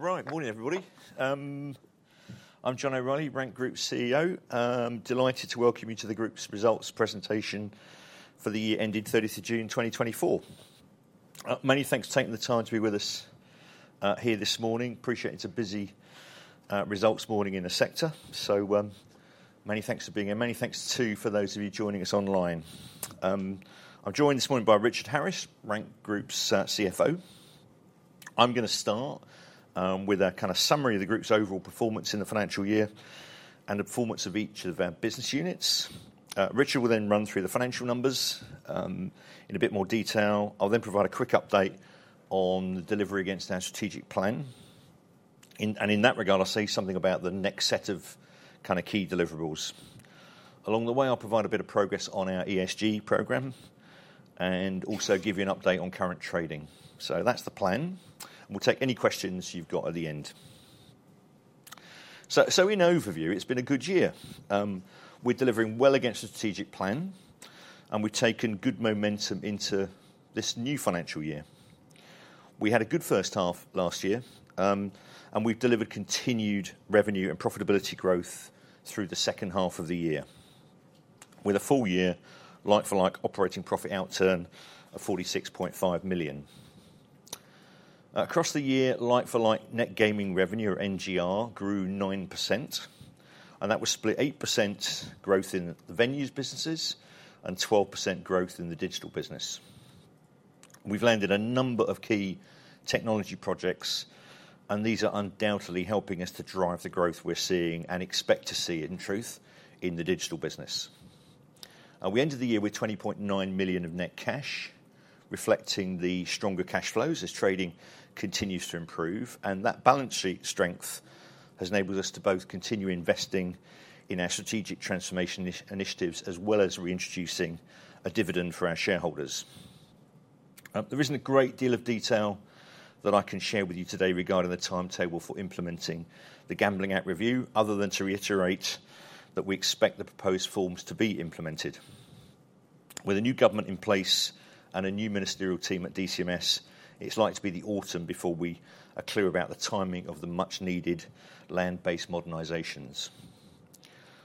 All right. Morning, everybody. I'm John O'Reilly, Rank Group CEO. I'm delighted to welcome you to the group's results presentation for the year ending 30th of June 2024. Many thanks for taking the time to be with us here this morning. Appreciate it's a busy results morning in the sector. So, many thanks for being here. Many thanks, too, for those of you joining us online. I'm joined this morning by Richard Harris, Rank Group's CFO. I'm gonna start with a kind of summary of the group's overall performance in the financial year and the performance of each of our business units. Richard will then run through the financial numbers in a bit more detail. I'll then provide a quick update on the delivery against our strategic plan. And in that regard, I'll say something about the next set of kind of key deliverables. Along the way, I'll provide a bit of progress on our ESG program, and also give you an update on current trading. So that's the plan, and we'll take any questions you've got at the end. So, in overview, it's been a good year. We're delivering well against the strategic plan, and we've taken good momentum into this new financial year. We had a good first half last year, and we've delivered continued revenue and profitability growth through the second half of the year, with a full year like-for-like operating profit outturn of 46.5 million. Across the year, like-for-like net gaming revenue, or NGR, grew 9%, and that was split 8% growth in the venues businesses and 12% growth in the Digital business. We've landed a number of key technology projects, and these are undoubtedly helping us to drive the growth we're seeing and expect to see, in truth, in the Digital business. We ended the year with 20.9 million of net cash, reflecting the stronger cash flows as trading continues to improve, and that balance sheet strength has enabled us to both continue investing in our strategic transformation initiatives, as well as reintroducing a dividend for our shareholders. There isn't a great deal of detail that I can share with you today regarding the timetable for implementing the Gambling Act review, other than to reiterate that we expect the proposed reforms to be implemented. With a new government in place and a new ministerial team at DCMS, it's likely to be the autumn before we are clear about the timing of the much-needed land-based modernizations.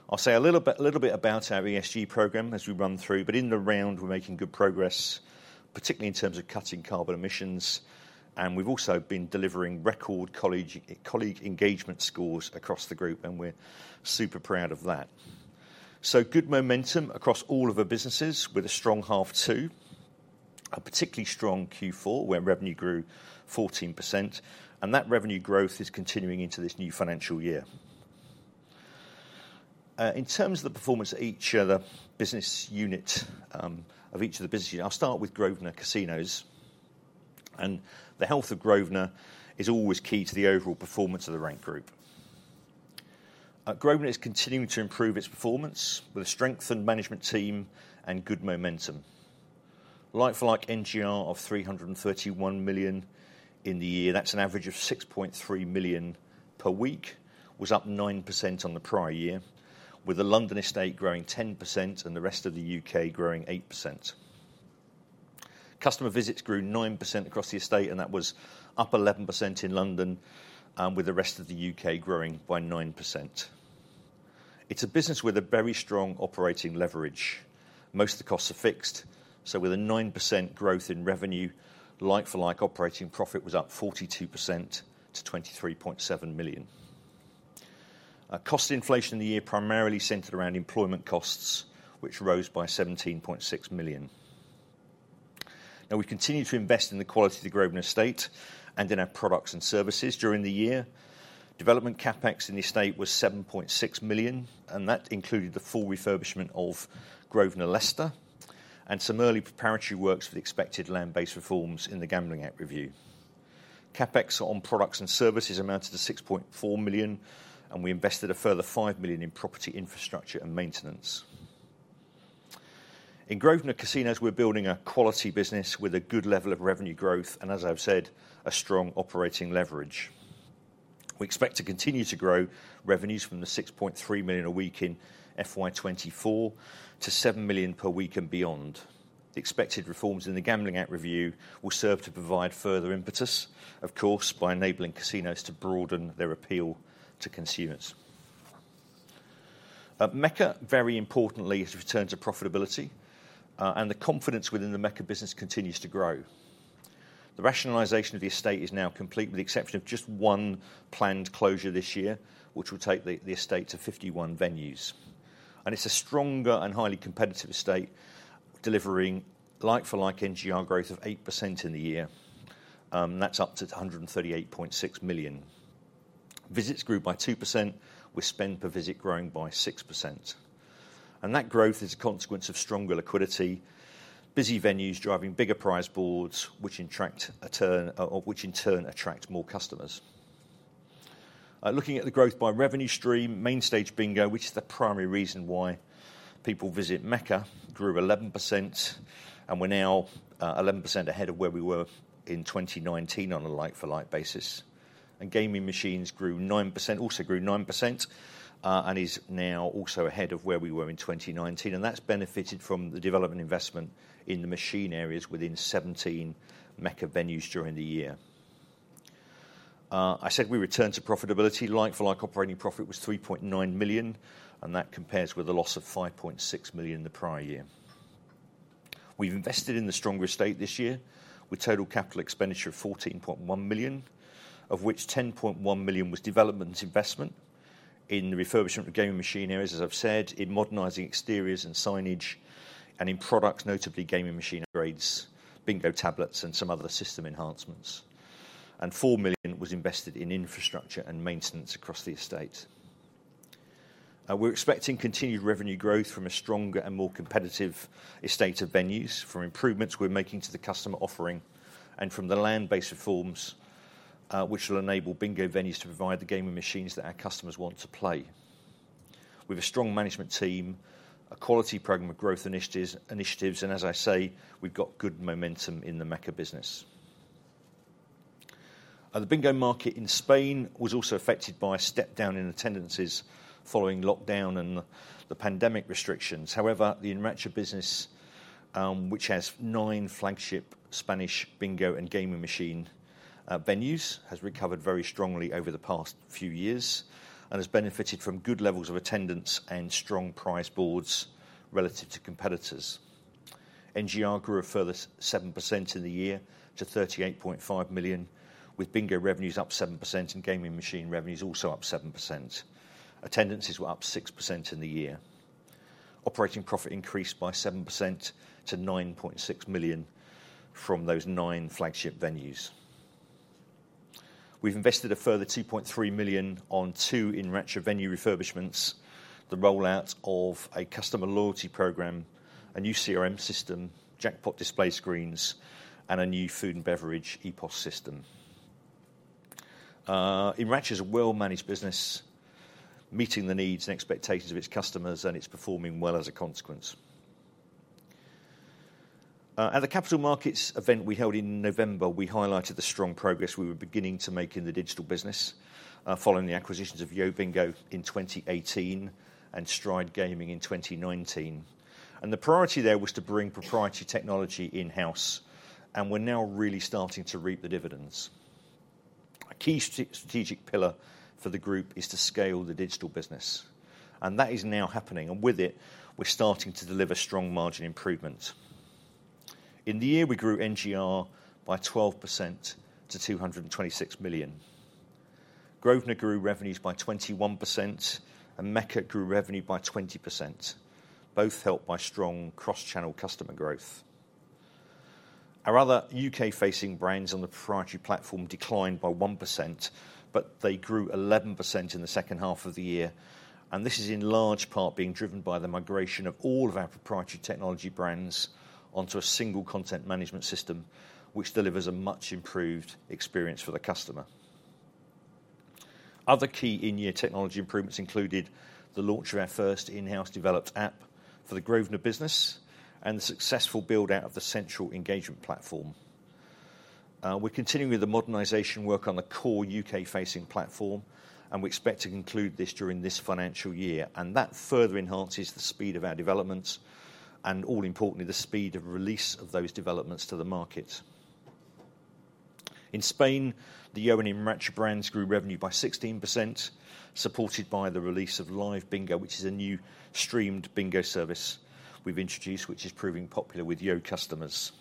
I'll say a little bit, a little bit about our ESG program as we run through, but in the round, we're making good progress, particularly in terms of cutting carbon emissions, and we've also been delivering record colleague engagement scores across the group, and we're super proud of that. So good momentum across all of our businesses, with a strong half two, a particularly strong Q4, where revenue grew 14%, and that revenue growth is continuing into this new financial year. In terms of the performance of each of the business unit, of each of the businesses, I'll start with Grosvenor Casinos, and the health of Grosvenor is always key to the overall performance of the Rank Group. Grosvenor is continuing to improve its performance with a strengthened management team and good momentum. Like-for-like NGR of 331 million in the year, that's an average of 6.3 million per week, was up 9% on the prior year, with the London estate growing 10% and the rest of the U.K. growing 8%. Customer visits grew 9% across the estate, and that was up 11% in London, with the rest of the U.K. growing by 9%. It's a business with a very strong operating leverage. Most of the costs are fixed, so with a 9% growth in revenue, like-for-like operating profit was up 42% to 23.7 million. Cost inflation in the year primarily centered around employment costs, which rose by 17.6 million. Now, we continued to invest in the quality of the Grosvenor estate and in our products and services during the year. Development CapEx in the estate was 7.6 million, and that included the full refurbishment of Grosvenor Leicester and some early preparatory works for the expected land-based reforms in the Gambling Act review. CapEx on products and services amounted to 6.4 million, and we invested a further 5 million in property infrastructure and maintenance. In Grosvenor Casinos, we're building a quality business with a good level of revenue growth, and as I've said, a strong operating leverage. We expect to continue to grow revenues from the 6.3 million a week in FY 2024 to 7 million per week and beyond. The expected reforms in the Gambling Act review will serve to provide further impetus, of course, by enabling casinos to broaden their appeal to consumers. Mecca, very importantly, has returned to profitability, and the confidence within the Mecca business continues to grow. The rationalization of the estate is now complete, with the exception of just one planned closure this year, which will take the estate to 51 venues. It's a stronger and highly competitive estate, delivering like-for-like NGR growth of 8% in the year. That's up to 138.6 million. Visits grew by 2%, with spend per visit growing by 6%, and that growth is a consequence of stronger liquidity, busy venues driving bigger prize boards, which in turn attract more customers. Looking at the growth by revenue stream, Main Stage Bingo, which is the primary reason why people visit Mecca, grew 11% and we're now 11% ahead of where we were in 2019 on a like-for-like basis. Gaming machines grew 9%—also grew 9%, and is now also ahead of where we were in 2019, and that's benefited from the development investment in the machine areas within 17 Mecca venues during the year. I said we returned to profitability. Like-for-like operating profit was 3.9 million, and that compares with a loss of 5.6 million the prior year. We've invested in the stronger estate this year, with total capital expenditure of 14.1 million, of which 10.1 million was development investment in the refurbishment of gaming machine areas, as I've said, in modernizing exteriors and signage, and in products, notably gaming machine upgrades, Bingo tablets, and some other system enhancements. 4 million was invested in infrastructure and maintenance across the estate. We're expecting continued revenue growth from a stronger and more competitive estate of venues, from improvements we're making to the customer offering, and from the land-based reforms, which will enable Bingo venues to provide the gaming machines that our customers want to play. We've a strong management team, a quality program of growth initiatives, and as I say, we've got good momentum in the Mecca business. The Bingo market in Spain was also affected by a step-down in attendances following lockdown and the pandemic restrictions. However, the Enracha business, which has nine flagship Spanish Bingo and gaming machine venues, has recovered very strongly over the past few years, and has benefited from good levels of attendance and strong prize boards relative to competitors. NGR grew a further 7% in the year to 38.5 million, with Bingo revenues up 7% and gaming machine revenues also up 7%. Attendances were up 6% in the year. Operating profit increased by 7% to 9.6 million from those nine flagship venues. We've invested a further 2.3 million on two Enracha venue refurbishments, the rollout of a customer loyalty program, a new CRM system, jackpot display screens, and a new food and beverage EPoS system. Enracha is a well-managed business, meeting the needs and expectations of its customers, and it's performing well as a consequence. At the capital markets event we held in November, we highlighted the strong progress we were beginning to make in the Digital business, following the acquisitions of YoBingo in 2018 and Stride Gaming in 2019. And the priority there was to bring proprietary technology in-house, and we're now really starting to reap the dividends. A key strategic pillar for the group is to scale the digital business, and that is now happening, and with it, we're starting to deliver strong margin improvement. In the year, we grew NGR by 12% to 226 million. Grosvenor grew revenues by 21%, and Mecca grew revenue by 20%, both helped by strong cross-channel customer growth. Our other U.K.-facing brands on the proprietary platform declined by 1%, but they grew 11% in the second half of the year, and this is in large part being driven by the migration of all of our proprietary technology brands onto a single content management system, which delivers a much-improved experience for the customer. Other key in-year technology improvements included the launch of our first in-house developed app for the Grosvenor business, and the successful build-out of the central engagement platform. We're continuing with the modernization work on the core U.K.-facing platform, and we expect to conclude this during this financial year, and that further enhances the speed of our developments, and all importantly, the speed of release of those developments to the market. In Spain, the Yo and Enracha brands grew revenue by 16%, supported by the release of Live Bingo, which is a new streamed Bingo service we've introduced, which is proving popular with Yo customers.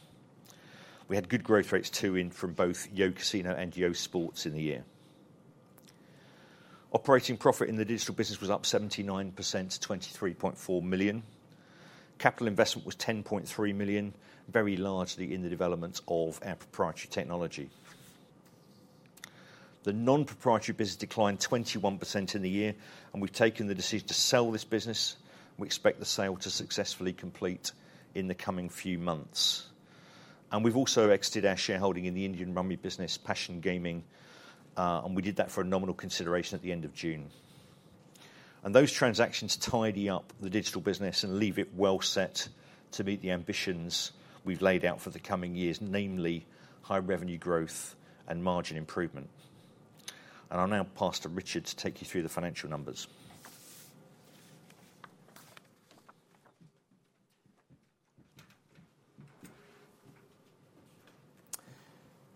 We had good growth rates, too, in from both YoCasino and YoSports in the year. Operating profit in the Digital business was up 79% to 23.4 million. Capital investment was 10.3 million, very largely in the development of our proprietary technology. The non-proprietary business declined 21% in the year, and we've taken the decision to sell this business. We expect the sale to successfully complete in the coming few months. And we've also exited our shareholding in the Indian Rummy business, Passion Gaming, and we did that for a nominal consideration at the end of June. And those transactions tidy up the Digital business and leave it well set to meet the ambitions we've laid out for the coming years, namely high revenue growth and margin improvement. And I'll now pass to Richard to take you through the financial numbers.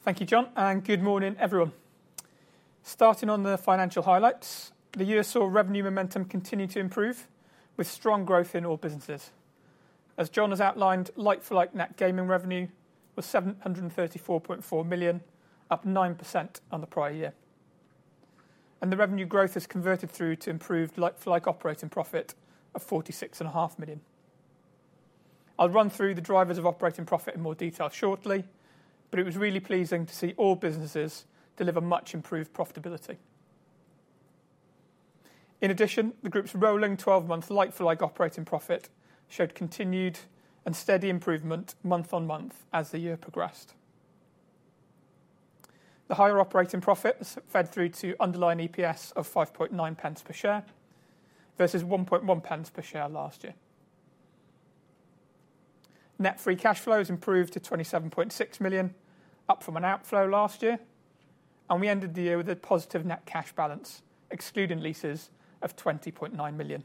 Thank you, John, and good morning, everyone. Starting on the financial highlights, the year saw revenue momentum continue to improve, with strong growth in all businesses. As John has outlined, like-for-like net gaming revenue was 734.4 million, up 9% on the prior year. The revenue growth has converted through to improved like-for-like operating profit of 46.5 million. I'll run through the drivers of operating profit in more detail shortly, but it was really pleasing to see all businesses deliver much improved profitability. In addition, the group's rolling twelve-month like-for-like operating profit showed continued and steady improvement month-on-month as the year progressed. The higher operating profits fed through to underlying EPS of 0.059 per share, versus 0.011 per share last year. Net free cash flow has improved to 27.6 million, up from an outflow last year, and we ended the year with a positive net cash balance, excluding leases, of 20.9 million.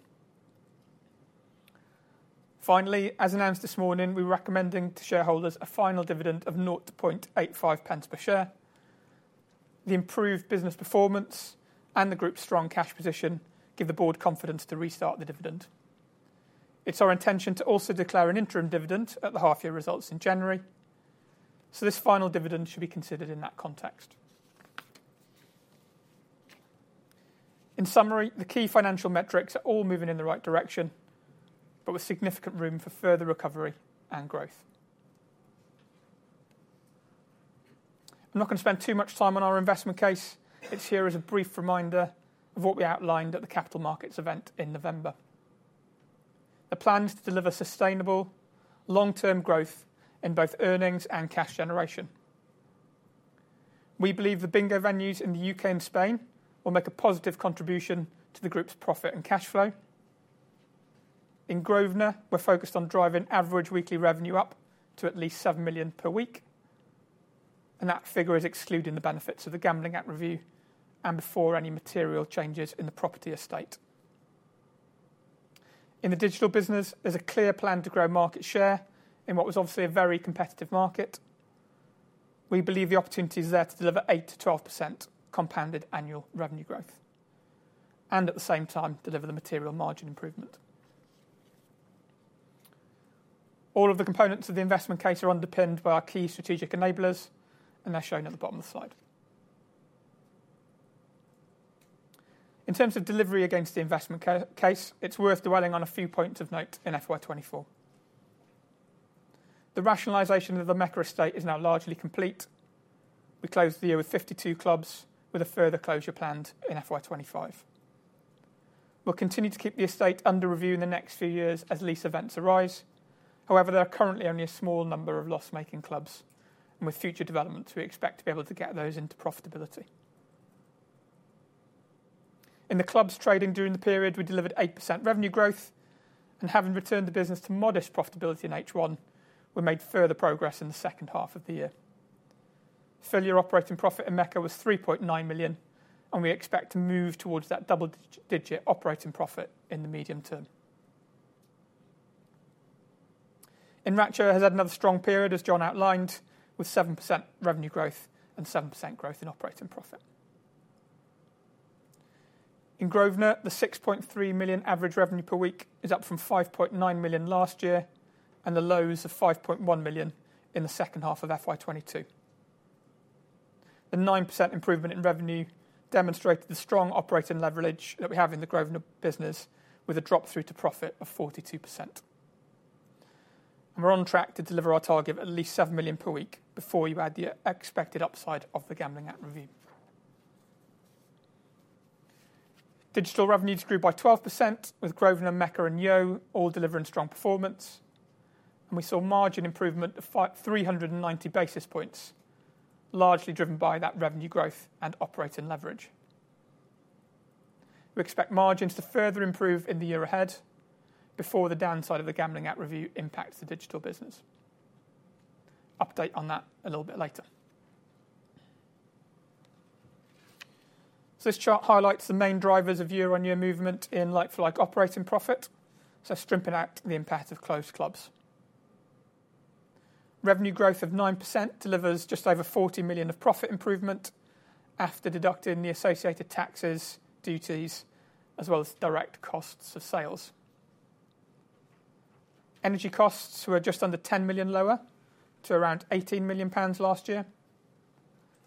Finally, as announced this morning, we're recommending to shareholders a final dividend of 0.085 per share. The improved business performance and the group's strong cash position give the board confidence to restart the dividend. It's our intention to also declare an interim dividend at the half-year results in January, so this final dividend should be considered in that context. In summary, the key financial metrics are all moving in the right direction, but with significant room for further recovery and growth. I'm not going to spend too much time on our investment case. It's here as a brief reminder of what we outlined at the capital markets event in November. The plan is to deliver sustainable, long-term growth in both earnings and cash generation. We believe the Bingo venues in the U.K. and Spain will make a positive contribution to the group's profit and cash flow. In Grosvenor, we're focused on driving average weekly revenue up to at least 7 million per week, and that figure is excluding the benefits of the Gambling Act review and before any material changes in the property estate. In the Digital business, there's a clear plan to grow market share in what was obviously a very competitive market. We believe the opportunity is there to deliver 8%-12% compounded annual revenue growth and at the same time deliver the material margin improvement. All of the components of the investment case are underpinned by our key strategic enablers, and they're shown at the bottom of the slide. In terms of delivery against the investment case, it's worth dwelling on a few points of note in FY 2024. The rationalization of the Mecca estate is now largely complete. We closed the year with 52 clubs, with a further closure planned in FY 2025. We'll continue to keep the estate under review in the next few years as lease events arise. However, there are currently only a small number of loss-making clubs, and with future developments, we expect to be able to get those into profitability. In the clubs trading during the period, we delivered 8% revenue growth, and having returned the business to modest profitability in H1, we made further progress in the second half of the year. Full-year operating profit in Mecca was 3.9 million, and we expect to move towards that double digit operating profit in the medium term. Enracha has had another strong period, as John outlined, with 7% revenue growth and 7% growth in operating profit. In Grosvenor, the 6.3 million average revenue per week is up from 5.9 million last year, and the low is of 5.1 million in the second half of FY 2022. The 9% improvement in revenue demonstrated the strong operating leverage that we have in the Grosvenor business, with a drop-through to profit of 42%. We're on track to deliver our target of at least 7 million per week before you add the expected upside of the Gambling Act review. Digital revenues grew by 12%, with Grosvenor, Mecca, and Yo all delivering strong performance, and we saw margin improvement of 390 basis points, largely driven by that revenue growth and operating leverage. We expect margins to further improve in the year ahead before the downside of the Gambling Act review impacts the Digital business. Update on that a little bit later. This chart highlights the main drivers of year-on-year movement in like-for-like operating profit, so stripping out the impact of closed clubs. Revenue growth of 9% delivers just over 40 million of profit improvement after deducting the associated taxes, duties, as well as direct costs of sales. Energy costs were just under 10 million lower to around 18 million pounds last year,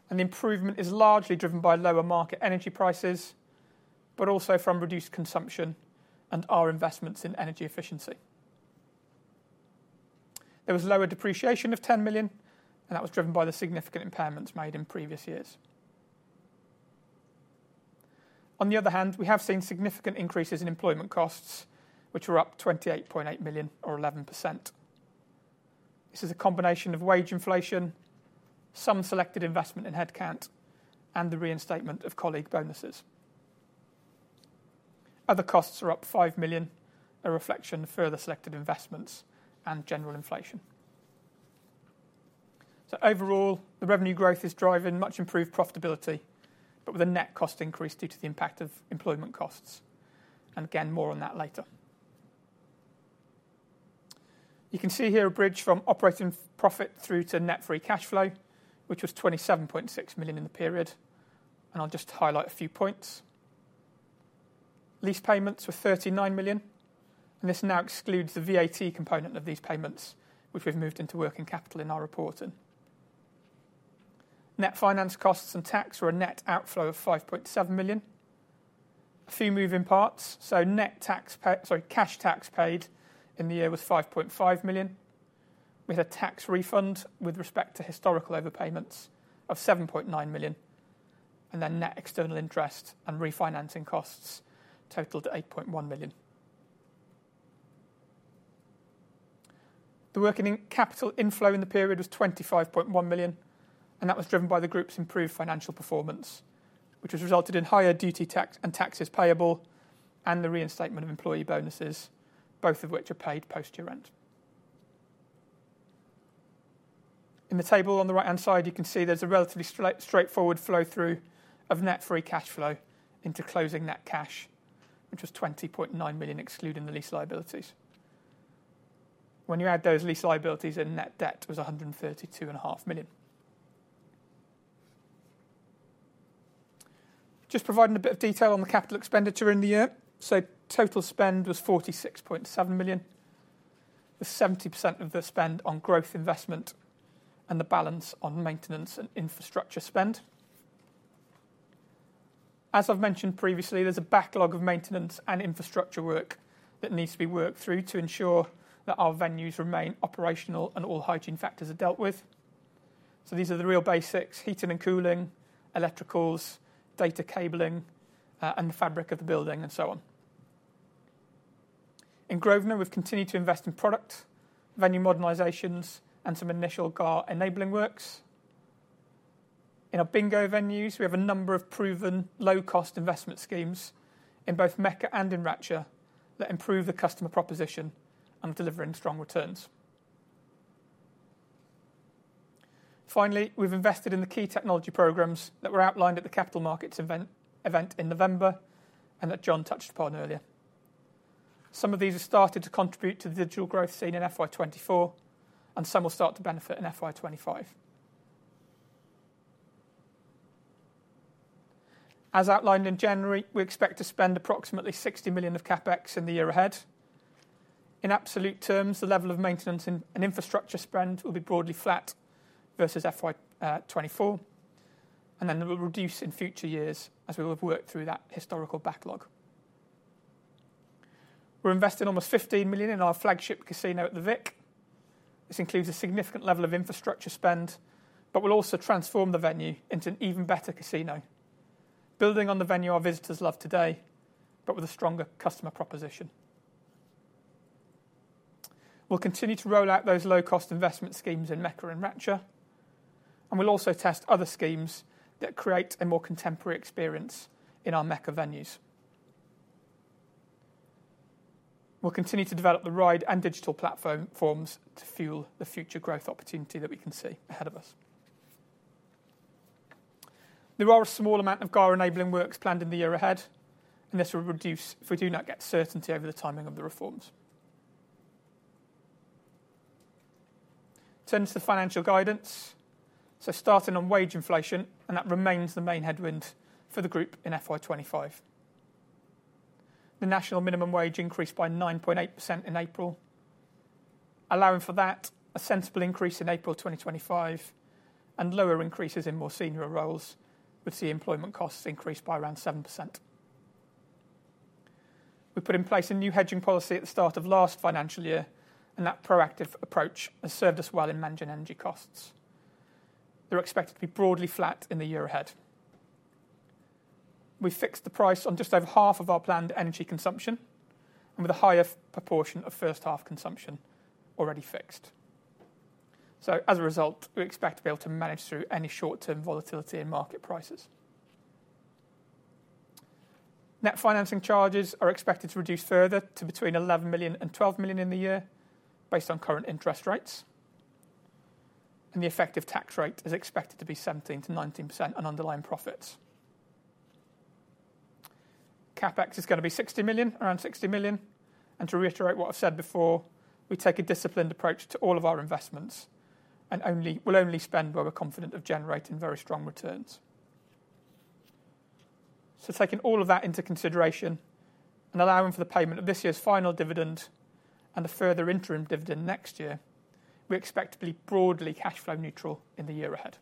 and the improvement is largely driven by lower market energy prices, but also from reduced consumption and our investments in energy efficiency. There was lower depreciation of 10 million, and that was driven by the significant impairments made in previous years. On the other hand, we have seen significant increases in employment costs, which were up 28.8 million or 11%. This is a combination of wage inflation, some selected investment in headcount, and the reinstatement of colleague bonuses. Other costs are up 5 million, a reflection of further selected investments and general inflation. So overall, the revenue growth is driving much improved profitability, but with a net cost increase due to the impact of employment costs. And again, more on that later. You can see here a bridge from operating profit through to net free cash flow, which was 27.6 million in the period, and I'll just highlight a few points. Lease payments were 39 million, and this now excludes the VAT component of these payments, which we've moved into working capital in our reporting. Net finance costs and tax were a net outflow of 5.7 million. A few moving parts, so net tax paid - sorry, cash tax paid in the year was 5.5 million. We had a tax refund with respect to historical overpayments of 7.9 million, and then net external interest and refinancing costs totaled 8.1 million. The working capital inflow in the period was 25.1 million, and that was driven by the group's improved financial performance, which has resulted in higher duty tax and taxes payable and the reinstatement of employee bonuses, both of which are paid post-year end. In the table on the right-hand side, you can see there's a relatively straight, straightforward flow-through of net free cash flow into closing net cash, which was 20.9 million, excluding the lease liabilities. When you add those lease liabilities and net debt was 132.5 million. Just providing a bit of detail on the capital expenditure in the year. So total spend was 46.7 million, with 70% of the spend on growth investment and the balance on maintenance and infrastructure spend. As I've mentioned previously, there's a backlog of maintenance and infrastructure work that needs to be worked through to ensure that our venues remain operational and all hygiene factors are dealt with. So these are the real basics: heating and cooling, electricals, data cabling, and the fabric of the building, and so on. In Grosvenor, we've continued to invest in product, venue modernizations, and some initial GAR enabling works. In our Bingo venues, we have a number of proven low-cost investment schemes in both Mecca and in Enracha that improve the customer proposition and delivering strong returns. Finally, we've invested in the key technology programs that were outlined at the capital markets event in November and that John touched upon earlier. Some of these have started to contribute to the digital growth seen in FY 2024, and some will start to benefit in FY 2025. As outlined in January, we expect to spend approximately 60 million of CapEx in the year ahead. In absolute terms, the level of maintenance and infrastructure spend will be broadly flat versus FY 2024, and then it will reduce in future years as we will have worked through that historical backlog. We're investing almost 15 million in our flagship casino at the Vic. This includes a significant level of infrastructure spend, but will also transform the venue into an even better casino. Building on the venue our visitors love today, but with a stronger customer proposition. We'll continue to roll out those low-cost investment schemes in Mecca and Enracha, and we'll also test other schemes that create a more contemporary experience in our Mecca venues. We'll continue to develop the RIDE and Digital platform, forms to fuel the future growth opportunity that we can see ahead of us. There are a small amount of GAR-enabling works planned in the year ahead, and this will reduce if we do not get certainty over the timing of the reforms. Turning to the financial guidance. So starting on wage inflation, and that remains the main headwind for the group in FY 2025. The National Minimum Wage increased by 9.8% in April, allowing for that, a sensible increase in April 2025, and lower increases in more senior roles, would see employment costs increase by around 7%. We put in place a new hedging policy at the start of last financial year, and that proactive approach has served us well in managing energy costs. They're expected to be broadly flat in the year ahead. We fixed the price on just over half of our planned energy consumption and with a higher proportion of first half consumption already fixed. So as a result, we expect to be able to manage through any short-term volatility in market prices. Net financing charges are expected to reduce further to between 11 million and 12 million in the year, based on current interest rates, and the effective tax rate is expected to be 17%-19% on underlying profits. CapEx is gonna be 60 million, around 60 million, and to reiterate what I've said before, we take a disciplined approach to all of our investments, and we'll only spend where we're confident of generating very strong returns. So taking all of that into consideration and allowing for the payment of this year's final dividend and the further interim dividend next year, we expect to be broadly cash flow neutral in the year ahead.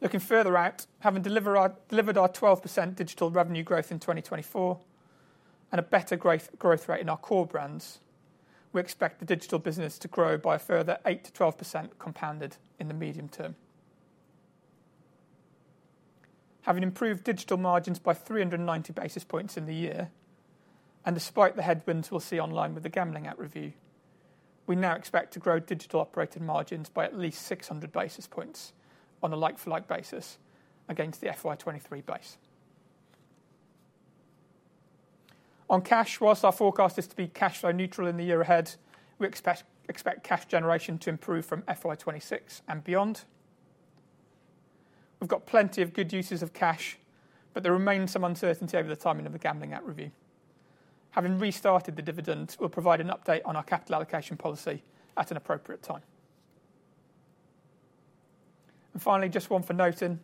Looking further out, having delivered our 12% digital revenue growth in 2024 and a better growth rate in our core brands, we expect the Digital business to grow by a further 8%-12% compounded in the medium term. Having improved digital margins by 390 basis points in the year, and despite the headwinds we'll see online with the Gambling Act review, we now expect to grow digital operating margins by at least 600 basis points on a like-for-like basis against the FY 2023 base. On cash, whilst our forecast is to be cash flow neutral in the year ahead, we expect cash generation to improve from FY 2026 and beyond. We've got plenty of good uses of cash, but there remains some uncertainty over the timing of the Gambling Act review. Having restarted the dividend, we'll provide an update on our capital allocation policy at an appropriate time. Finally, just one for noting.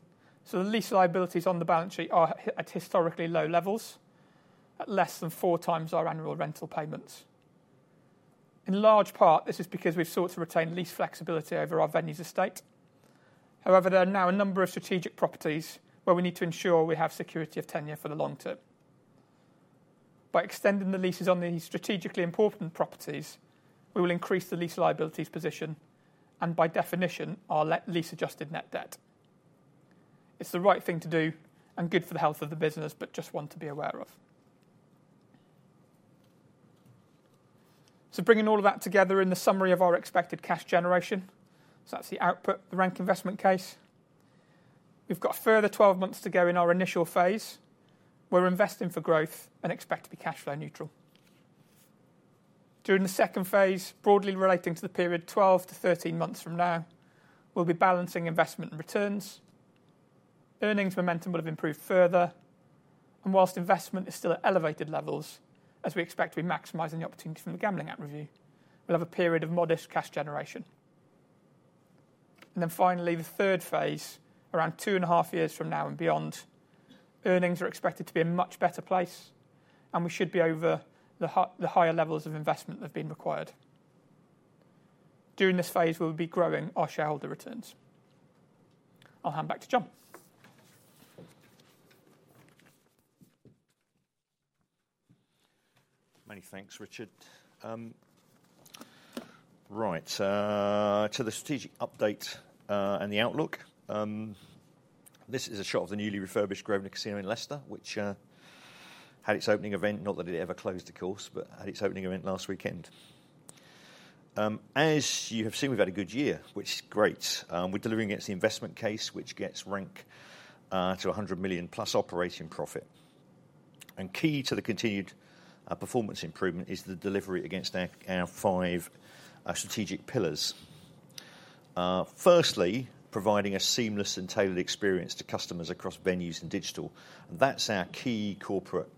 The lease liabilities on the balance sheet are at historically low levels, at less than 4x our annual rental payments. In large part, this is because we've sought to retain lease flexibility over our venues estate. However, there are now a number of strategic properties where we need to ensure we have security of tenure for the long-term. By extending the leases on these strategically important properties, we will increase the lease liabilities position and, by definition, our lease-adjusted net debt. It's the right thing to do and good for the health of the business, but just one to be aware of. Bringing all of that together in the summary of our expected cash generation. So that's the output, the Rank investment case. We've got a further 12 months to go in our initial phase. We're investing for growth and expect to be cash flow neutral. During the second phase, broadly relating to the period 12-13 months from now, we'll be balancing investment and returns. Earnings momentum will have improved further, and whilst investment is still at elevated levels, as we expect to be maximizing the opportunities from the Gambling Act review, we'll have a period of modest cash generation. And then finally, the third phase, around 2.5 years from now and beyond, earnings are expected to be in a much better place, and we should be over the higher levels of investment that have been required. During this phase, we'll be growing our shareholder returns. I'll hand back to John. Many thanks, Richard. Right, to the strategic update and the outlook. This is a shot of the newly refurbished Grosvenor Casino in Leicester, which had its opening event, not that it ever closed, of course, but had its opening event last weekend. As you have seen, we've had a good year, which is great. We're delivering against the investment case, which gets Rank to a 100 million+ operating profit. And key to the continued performance improvement is the delivery against our, our five strategic pillars. Firstly, providing a seamless and tailored experience to customers across venues and digital, and that's our key corporate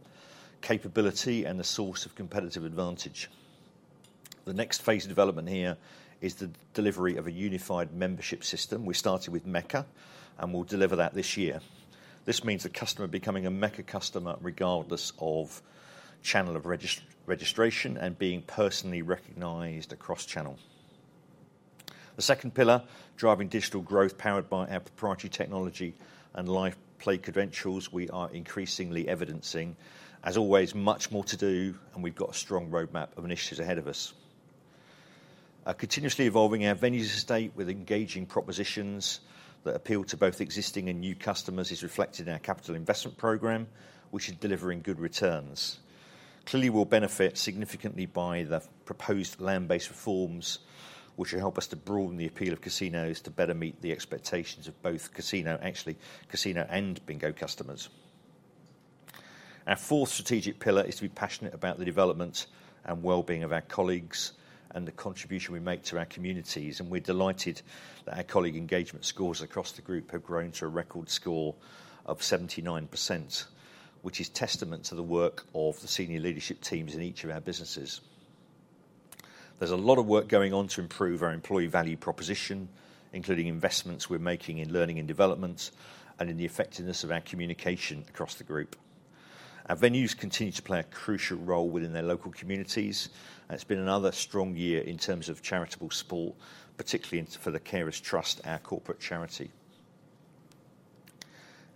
capability and a source of competitive advantage. The next phase of development here is the delivery of a unified membership system. We started with Mecca, and we'll deliver that this year. This means the customer becoming a Mecca customer, regardless of channel of registration, and being personally recognized across channels. The second pillar, driving digital growth, powered by our proprietary technology and live play credentials, we are increasingly evidencing. As always, much more to do, and we've got a strong roadmap of initiatives ahead of us. Continuously evolving our venues estate with engaging propositions that appeal to both existing and new customers, is reflected in our capital investment program, which is delivering good returns. Clearly, we'll benefit significantly by the proposed land-based reforms, which will help us to broaden the appeal of casinos to better meet the expectations of both casino, actually, casino and Bingo customers. Our fourth strategic pillar is to be passionate about the development and well-being of our colleagues, and the contribution we make to our communities, and we're delighted that our colleague engagement scores across the group have grown to a record score of 79%, which is testament to the work of the senior leadership teams in each of our businesses. There's a lot of work going on to improve our employee value proposition, including investments we're making in learning and development, and in the effectiveness of our communication across the group. Our venues continue to play a crucial role within their local communities, and it's been another strong year in terms of charitable support, particularly for the Carers Trust, our corporate charity.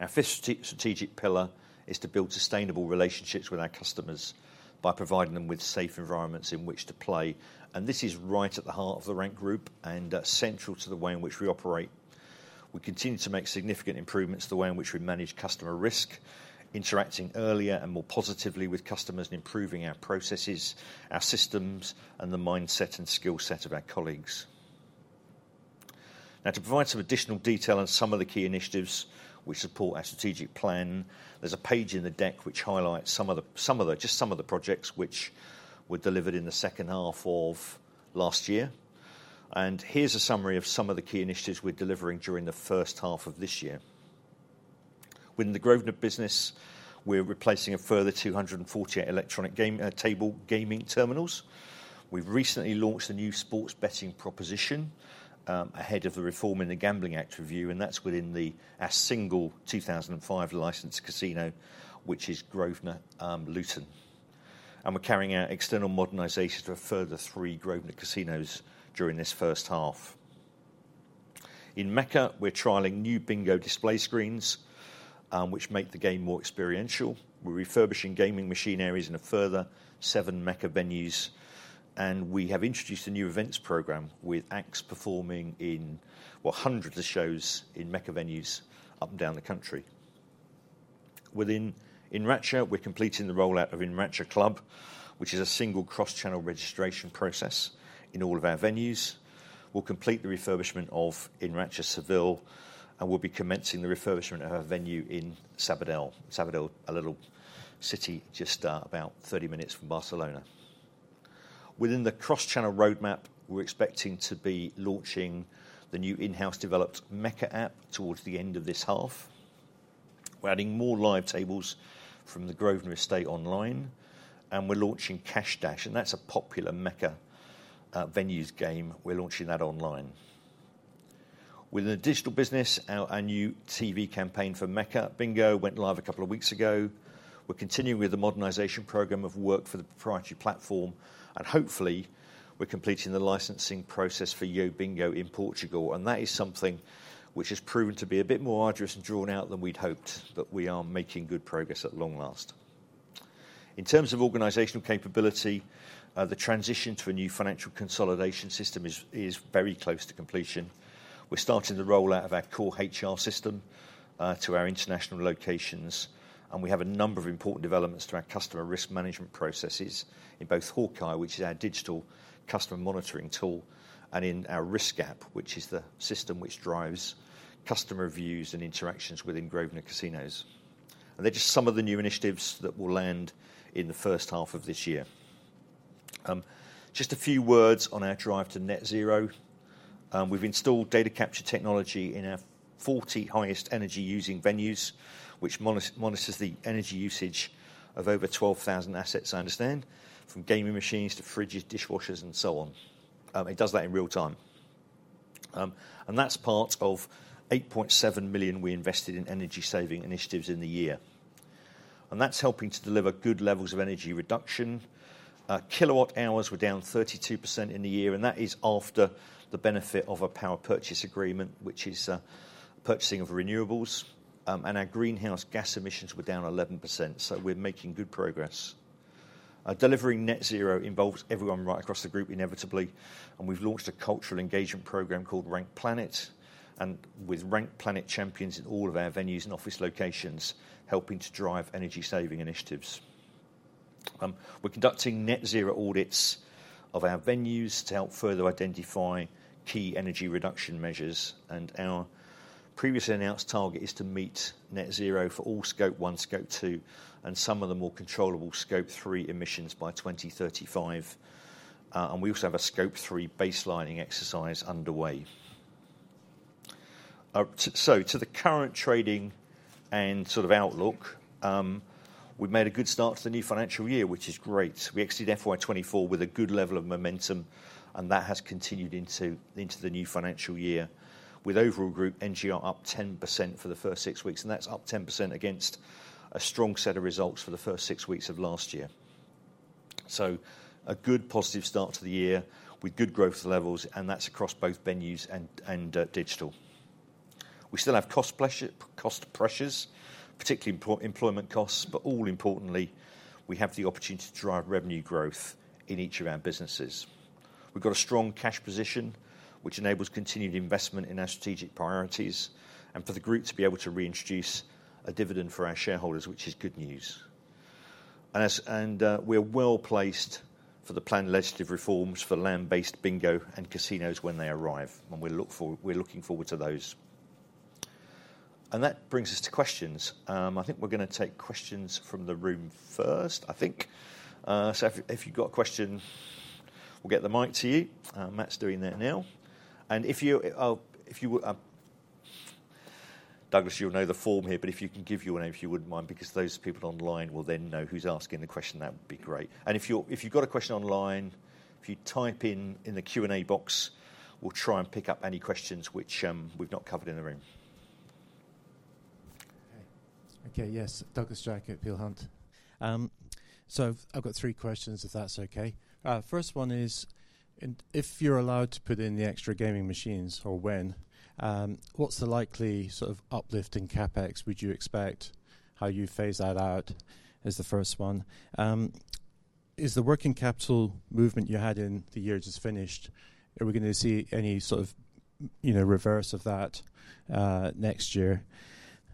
Our fifth strategic pillar is to build sustainable relationships with our customers by providing them with safe environments in which to play, and this is right at the heart of the Rank Group, and central to the way in which we operate. We continue to make significant improvements to the way in which we manage customer risk, interacting earlier and more positively with customers, and improving our processes, our systems, and the mindset and skill set of our colleagues. Now, to provide some additional detail on some of the key initiatives which support our strategic plan, there's a page in the deck which highlights some of the projects which were delivered in the second half of last year. Here's a summary of some of the key initiatives we're delivering during the first half of this year. Within the Grosvenor business, we're replacing a further 248 electronic game table gaming terminals. We've recently launched a new sports betting proposition, ahead of the reform in the Gambling Act review, and that's within our single 2005 licensed casino, which is Grosvenor Luton. We're carrying out external modernization to a further three Grosvenor casinos during this first half. In Mecca, we're trialing new Bingo display screens, which make the game more experiential. We're refurbishing gaming machine areas in a further seven Mecca venues, and we have introduced a new events program, with acts performing in hundreds of shows in Mecca venues up and down the country. Within Enracha, we're completing the rollout of Enracha Club, which is a single cross-channel registration process in all of our venues. We'll complete the refurbishment of Enracha Seville, and we'll be commencing the refurbishment of our venue in Sabadell. Sabadell, a little city just about 30 minutes from Barcelona. Within the cross-channel roadmap, we're expecting to be launching the new in-house developed Mecca app towards the end of this half. We're adding more live tables from the Grosvenor estate online, and we're launching Cash Dash, and that's a popular Mecca venues game. We're launching that online. Within the Digital business, our new TV campaign for Mecca Bingo went live a couple of weeks ago. We're continuing with the modernization program of work for the proprietary platform, and hopefully, we're completing the licensing process for YoBingo in Portugal, and that is something which has proven to be a bit more arduous and drawn out than we'd hoped, but we are making good progress at long last. In terms of organizational capability, the transition to a new financial consolidation system is very close to completion. We're starting the rollout of our core HR system to our international locations, and we have a number of important developments to our customer risk management processes in both Hawkeye, which is our digital customer monitoring tool, and in our RiskApp, which is the system which drives customer views and interactions within Grosvenor Casinos. They're just some of the new initiatives that will land in the first half of this year. Just a few words on our drive to net zero. We've installed data capture technology in our 40 highest energy-using venues, which monitors the energy usage of over 12,000 assets, I understand, from gaming machines to fridges, dishwashers, and so on. It does that in real time. And that's part of 8.7 million we invested in energy-saving initiatives in the year, and that's helping to deliver good levels of energy reduction. kWh were down 32% in the year, and that is after the benefit of a power purchase agreement, which is purchasing of renewables. And our greenhouse gas emissions were down 11%, so we're making good progress. Delivering net zero involves everyone right across the group, inevitably, and we've launched a cultural engagement program called Rank Planet, and with Rank Planet champions in all of our venues and office locations, helping to drive energy-saving initiatives. We're conducting net zero audits of our venues to help further identify key energy reduction measures, and our previously announced target is to meet net zero for all Scope One, Scope Two, and some of the more controllable Scope Three emissions by 2035. And we also have a Scope Three baselining exercise underway. So to the current trading and sort of outlook, we've made a good start to the new financial year, which is great. We exited FY 2024 with a good level of momentum, and that has continued into, into the new financial year, with overall group NGR up 10% for the first six weeks, and that's up 10% against a strong set of results for the first six weeks of last year. So a good positive start to the year with good growth levels, and that's across both venues and digital. We still have cost pressures, particularly employment costs, but all importantly, we have the opportunity to drive revenue growth in each of our businesses. We've got a strong cash position, which enables continued investment in our strategic priorities, and for the group to be able to reintroduce a dividend for our shareholders, which is good news. And we're well-placed for the planned legislative reforms for land-based Bingo and casinos when they arrive, and we're looking forward to those. And that brings us to questions. I think we're gonna take questions from the room first, I think. So if you've got a question, we'll get the mic to you. Matt's doing that now. Douglas, you'll know the form here, but if you can give your name, if you wouldn't mind, because those people online will then know who's asking the question, that would be great. And if you've got a question online, if you type in the Q&A box, we'll try and pick up any questions which we've not covered in the room. Okay. Okay, yes. Douglas Jack at Peel Hunt. So I've got three questions, if that's okay. First one is, and if you're allowed to put in the extra gaming machines or when, what's the likely sort of uplift in CapEx would you expect? How you phase that out is the first one. Is the working capital movement you had in the year just finished, are we gonna see any sort of, you know, reverse of that, next year?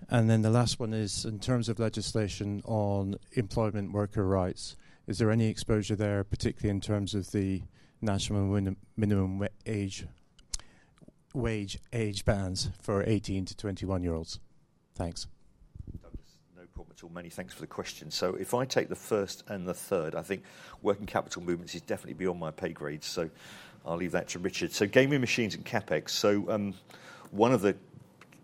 And then the last one is, in terms of legislation on employment worker rights, is there any exposure there, particularly in terms of the national minimum wage, age bands for 18-21-year-olds? Thanks. Douglas, no problem at all. Many thanks for the question. So if I take the first and the third, I think working capital movements is definitely beyond my pay grade, so I'll leave that to Richard. So gaming machines and CapEx. So, one of the,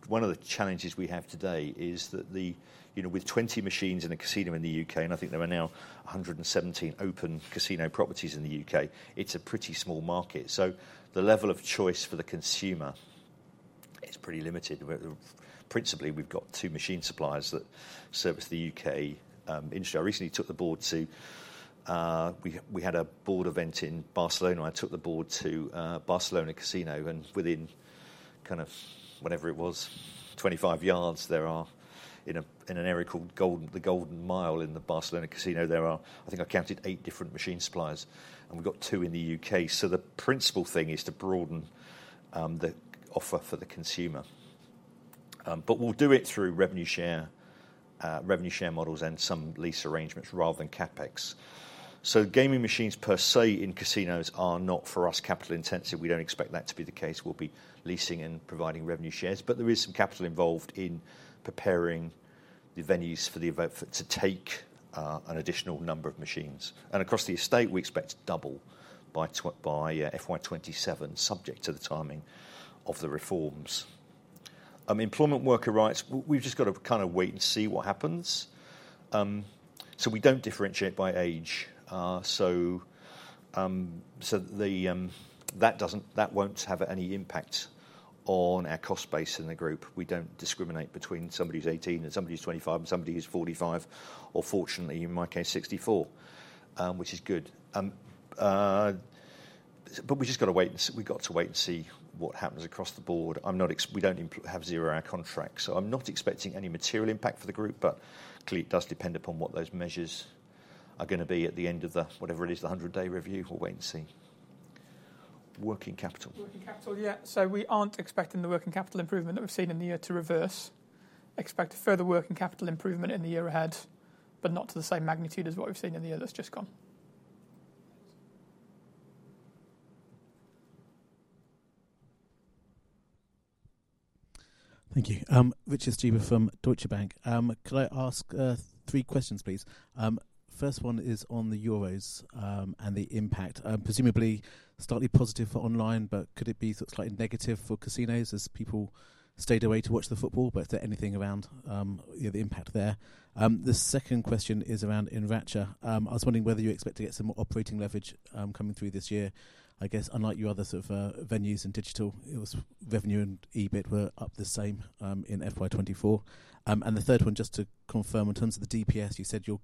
one of the challenges we have today is that the... You know, with 20 machines in a casino in the U.K., and I think there are now 117 open casino properties in the U.K., it's a pretty small market. So the level of choice for the consumer is pretty limited. Where, principally, we've got two machine suppliers that service the U.K., industry. I recently took the board to... We, we had a board event in Barcelona. I took the board to a Barcelona casino, and within kind of, whatever it was, 25 yards, there are, in an area called the Golden Mile in the Barcelona casino, there are eight different machine suppliers, and we've got two in the U.K. So the principal thing is to broaden the offer for the consumer. But we'll do it through revenue share, revenue share models and some lease arrangements rather than CapEx. So gaming machines per se in casinos are not, for us, capital intensive. We don't expect that to be the case. We'll be leasing and providing revenue shares, but there is some capital involved in preparing the venues for the event for it to take an additional number of machines. Across the estate, we expect to double by FY 2027, subject to the timing of the reforms. Employment worker rights, we've just got to kind of wait and see what happens. So we don't differentiate by age. So the that doesn't-- that won't have any impact on our cost base in the group. We don't discriminate between somebody who's 18 and somebody who's 25 and somebody who's 45, or fortunately, in my case, 64, which is good. But we've just got to wait and see. We've got to wait and see what happens across the board. We don't have zero-hour contracts, so I'm not expecting any material impact for the group, but clearly, it does depend upon what those measures are gonna be at the end of the, whatever it is, the 100-day review. We'll wait and see. Working capital? Working capital, yeah. So we aren't expecting the working capital improvement that we've seen in the year to reverse. Expect further working capital improvement in the year ahead, but not to the same magnitude as what we've seen in the year that's just gone. Thank you. Richard Stuber from Deutsche Bank. Could I ask three questions, please? First one is on the Euros, and the impact. Presumably slightly positive for online, but could it be slightly negative for casinos as people stayed away to watch the football? But is there anything around, yeah, the impact there? The second question is around Enracha. I was wondering whether you expect to get some more operating leverage coming through this year. I guess, unlike your other sort of venues and digital, it was revenue and EBIT were up the same in FY 2024. And the third one, just to confirm, in terms of the EPS, you said you'll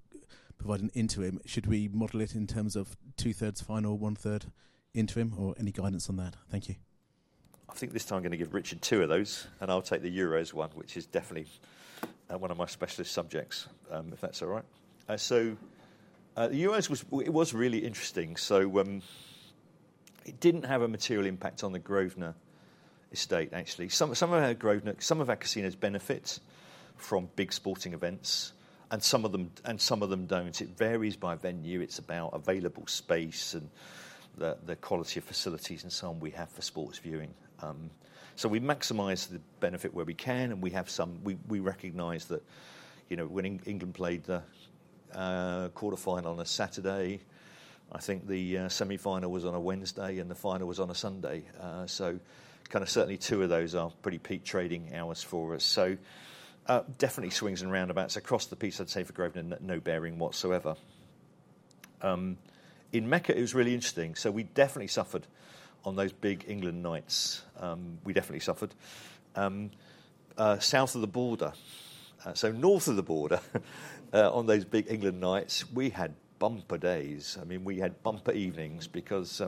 provide an interim. Should we model it in terms of two-thirds final, one-third interim, or any guidance on that? Thank you. I think this time I'm going to give Richard two of those, and I'll take the Euros one, which is definitely one of my specialist subjects, if that's all right. So, the Euros was—it was really interesting. So, it didn't have a material impact on the Grosvenor estate, actually. Some of our casinos benefit from big sporting events and some of them don't. It varies by venue. It's about available space and the quality of facilities and some we have for sports viewing. So we maximize the benefit where we can, and we have some. We recognize that, you know, when England played the quarterfinal on a Saturday, I think the semifinal was on a Wednesday, and the final was on a Sunday. So kind of certainly two of those are pretty peak trading hours for us. So, definitely swings and roundabouts. Across the piece, I'd say for Grosvenor, no bearing whatsoever. In Mecca, it was really interesting. So we definitely suffered on those big England nights. We definitely suffered. South of the border, so north of the border, on those big England nights, we had bumper days. I mean, we had bumper evenings because,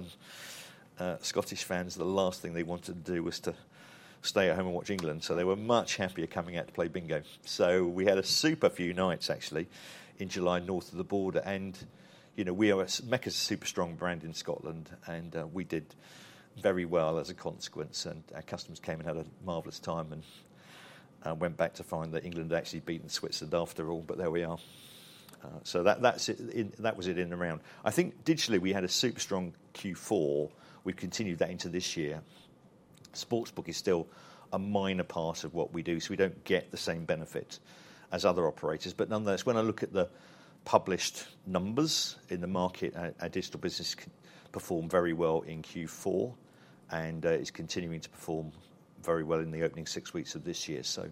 Scottish fans, the last thing they wanted to do was to stay at home and watch England, so they were much happier coming out to play Bingo. So we had a super few nights, actually, in July, north of the border. You know, we are Mecca's a super strong brand in Scotland, and we did very well as a consequence, and our customers came and had a marvelous time and went back to find that England had actually beaten Switzerland after all, but there we are. So that's it, that was it in and around. I think digitally, we had a super strong Q4. We've continued that into this year. Sportsbook is still a minor part of what we do, so we don't get the same benefit as other operators. But nonetheless, when I look at the published numbers in the market, our Digital business performed very well in Q4, and is continuing to perform very well in the opening six weeks of this year, so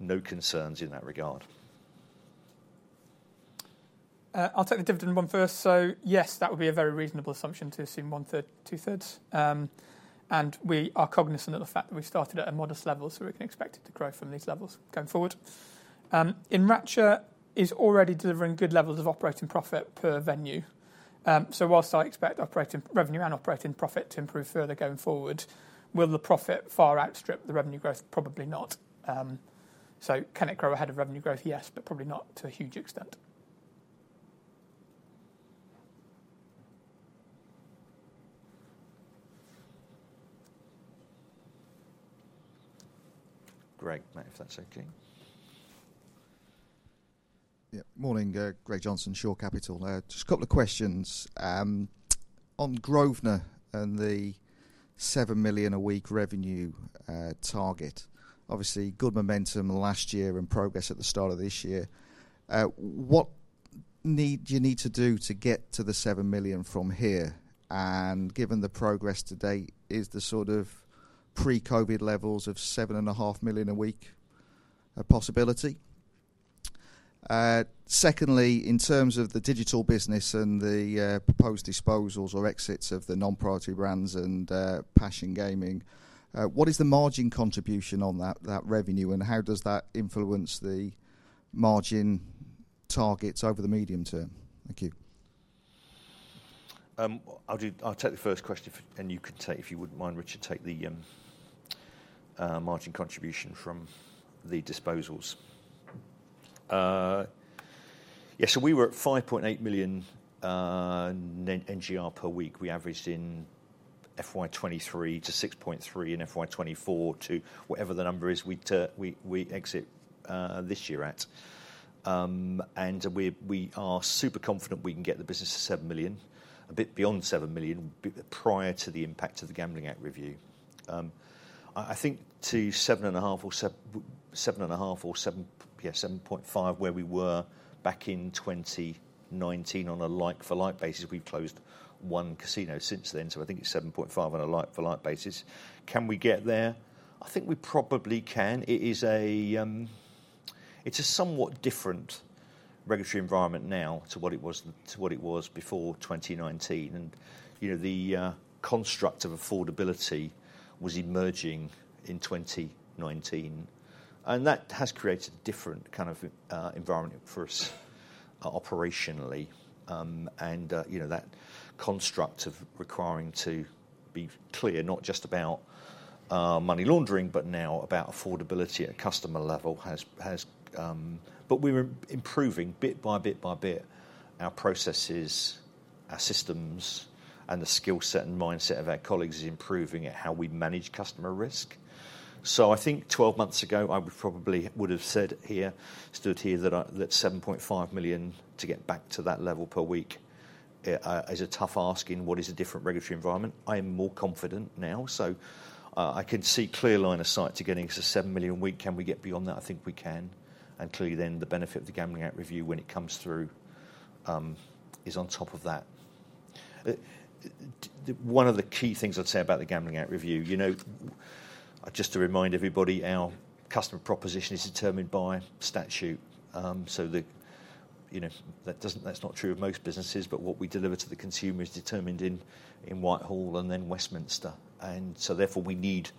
no concerns in that regard. I'll take the dividend one first. So, yes, that would be a very reasonable assumption to assume one-third, two-thirds. And we are cognizant of the fact that we started at a modest level, so we can expect it to grow from these levels going forward. Enracha is already delivering good levels of operating profit per venue. So while I expect operating revenue and operating profit to improve further going forward, will the profit far outstrip the revenue growth? Probably not. So can it grow ahead of revenue growth? Yes, but probably not to a huge extent. Greg, mate, if that's okay. Yeah. Morning, Greg Johnson, Shore Capital. Just a couple of questions. On Grosvenor and the 7 million a week revenue target. Obviously, good momentum last year and progress at the start of this year. What need do you need to do to get to the 7 million from here? And given the progress to date, is the sort of pre-COVID levels of 7.5 million a week a possibility? Secondly, in terms of the Digital business and the proposed disposals or exits of the non-priority brands and Passion Gaming, what is the margin contribution on that, that revenue, and how does that influence the margin targets over the medium term? Thank you. I'll take the first question, and you can take, if you wouldn't mind, Richard, take the margin contribution from the disposals. Yeah, we were at 5.8 million NGR per week. We averaged in FY 2023 to 6.3 million in FY 2024 to whatever the number is, we, we exit this year at. We are super confident we can get the business to 7 million, a bit beyond 7 million, prior to the impact of the Gambling Act review. I think to 7.5 million or 7.5 million, yeah, 7.5 million, where we were back in 2019 on a like-for-like basis, we've closed one casino since then, so I think it's 7.5 million on a like-for-like basis. Can we get there? I think we probably can. It is a, it's a somewhat different regulatory environment now to what it was, to what it was before 2019, and, you know, the construct of affordability was emerging in 2019, and that has created a different kind of environment for us operationally. And, you know, that construct of requiring to be clear, not just about money laundering, but now about affordability at a customer level, has, has... But we're improving bit by bit by bit our processes our systems and the skill set and mindset of our colleagues is improving at how we manage customer risk. So I think 12 months ago, I would probably would have said here, stood here, that 7.5 million to get back to that level per week is a tough ask in what is a different regulatory environment. I am more confident now, so I can see clear line of sight to getting to 7 million a week. Can we get beyond that? I think we can, and clearly then, the benefit of the Gambling Act review, when it comes through, is on top of that. One of the key things I'd say about the Gambling Act review, you know, just to remind everybody, our customer proposition is determined by statute. So, you know, that doesn't – that's not true of most businesses, but what we deliver to the consumer is determined in Whitehall and then Westminster, and so therefore, we need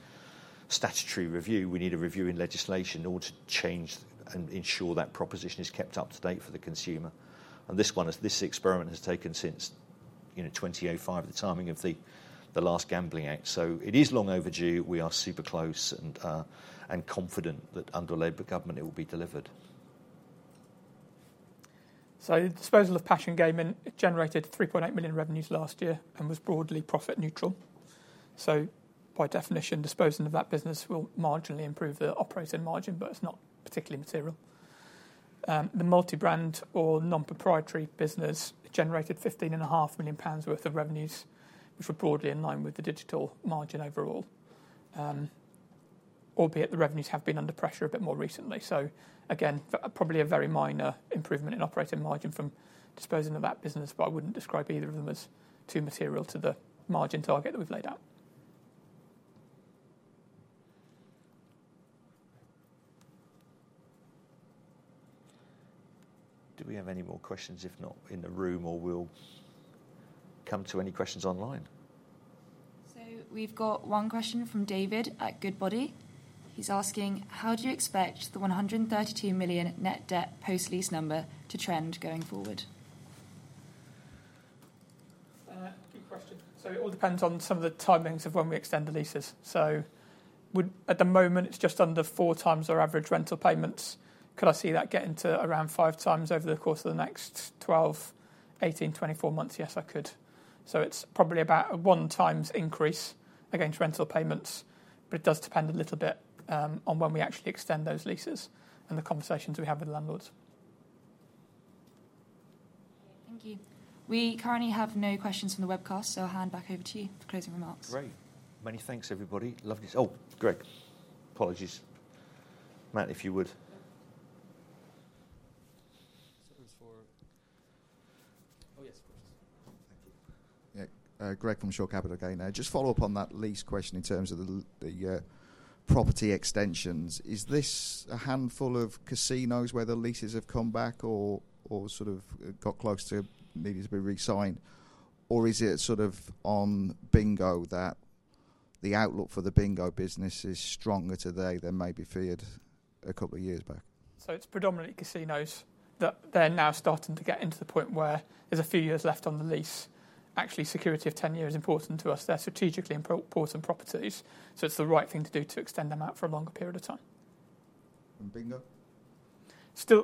statutory review. We need a review in legislation in order to change and ensure that proposition is kept up to date for the consumer, and this one, this experiment has taken since, you know, 2005, the timing of the last Gambling Act. So it is long overdue. We are super close and confident that under Labour government it will be delivered. So disposal of Passion Gaming generated 3.8 million revenues last year and was broadly profit neutral. So by definition, disposing of that business will marginally improve the operating margin, but it's not particularly material. The multi-brand or non-proprietary business generated 15.5 million pounds worth of revenues, which were broadly in line with the digital margin overall. Albeit the revenues have been under pressure a bit more recently. So again, probably a very minor improvement in operating margin from disposing of that business, but I wouldn't describe either of them as too material to the margin target that we've laid out. Do we have any more questions, if not in the room, or we'll come to any questions online? So we've got one question from David at Goodbody. He's asking: How do you expect the 132 million net debt post-lease number to trend going forward? Good question. So it all depends on some of the timings of when we extend the leases. So at the moment, it's just under 4x our average rental payments. Could I see that getting to around 5x over the course of the next 12, 18, 24 months? Yes, I could. So it's probably about a 1x increase against rental payments, but it does depend a little bit on when we actually extend those leases and the conversations we have with the landlords. Thank you. We currently have no questions from the webcast, so I'll hand back over to you for closing remarks. Great! Many thanks, everybody. Oh, Greg. Apologies. Matt, if you would. So it's for... Oh, yes, of course. Thank you. Yeah, Greg, from Shore Capital, again. Just follow up on that lease question in terms of the property extensions. Is this a handful of casinos where the leases have come back or sort of got close to needing to be re-signed? Or is it sort of on Bingo, that the outlook for the Bingo business is stronger today than maybe feared a couple of years back? It's predominantly casinos that they're now starting to get into the point where there's a few years left on the lease. Actually, security of tenure is important to us. They're strategically important properties, so it's the right thing to do to extend them out for a longer period of time. And Bingo?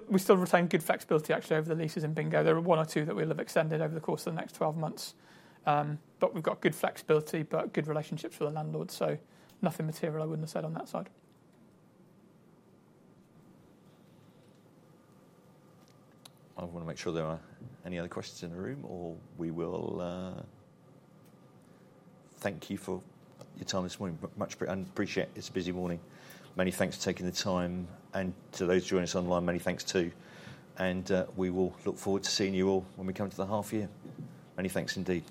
We still retain good flexibility, actually, over the leases in Bingo. There are one or two that we'll have extended over the course of the next 12 months. But we've got good flexibility, but good relationships with the landlords, so nothing material I wouldn't have said on that side. I want to make sure there are any other questions in the room, or we will. Thank you for your time this morning. Much appreciated. It's a busy morning. Many thanks for taking the time, and to those joining us online, many thanks too, and we will look forward to seeing you all when we come to the half year. Many thanks indeed.